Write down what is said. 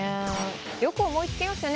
よく思いつきますね